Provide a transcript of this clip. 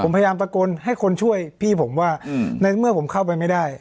ผมพยายามตะโกนให้คนช่วยพี่ผมว่าในเมื่อผมเข้าไปไม่ได้